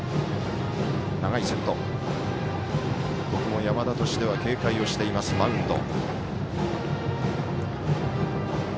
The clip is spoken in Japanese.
ここも山田としては警戒しています、マウンド。